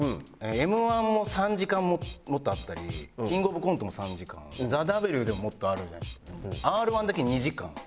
『Ｍ−１』も３時間もっとあったり『キングオブコント』も３時間『ＴＨＥＷ』でももっとある。